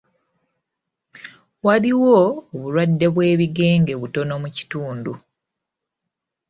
Waliwo obulwadde bw'ebigenge butono mu kitundu.